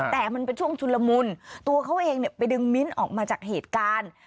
แต่มันเป็นช่วงชุนละมุนตัวเขาเองไปดึงมิ้นออกมาจากเหตุการณ์